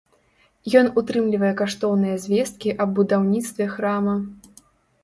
Ён утрымлівае каштоўныя звесткі аб будаўніцтве храма.